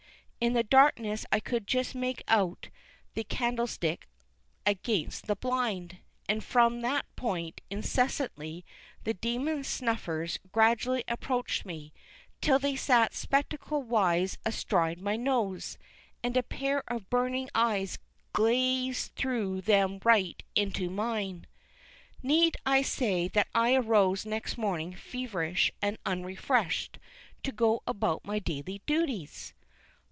In the darkness I could just make out the candlestick against the blind: and from that point incessantly the demon snuffers gradually approached me, till they sat spectacle wise astride my nose, and a pair of burning eyes gazed through them right into mine. Need I say that I arose next morning feverish and unrefreshed to go about my daily duties?